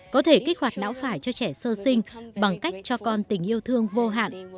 có thể kích hoạt não phải cho trẻ sơ sinh bằng cách cho con tình yêu thương vô hạn